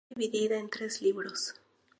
Está dividida en tres "libros".